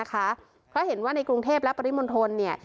เพราะเห็นว่าในกรุงเทพและปริมณฑล